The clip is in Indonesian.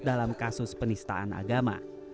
dalam kasus penistaan agama